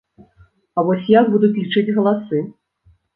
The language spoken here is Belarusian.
А вось як будуць лічыць галасы?